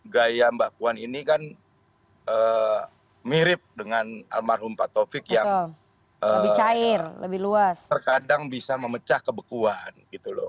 gaya mbak puan ini kan mirip dengan almarhum pak taufik yang terkadang bisa memecah kebekuan gitu loh